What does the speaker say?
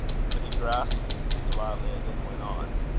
But he grasped his violin and went on.